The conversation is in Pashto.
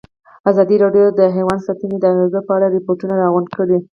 ازادي راډیو د حیوان ساتنه د اغېزو په اړه ریپوټونه راغونډ کړي.